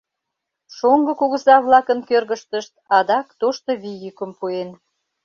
Шоҥго кугыза-влакын кӧргыштышт адак тошто вий йӱкым пуэн.